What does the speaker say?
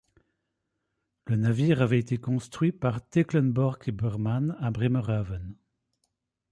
Le navire avait été construit par Teklenborg & Beurmann à Bremerhaven.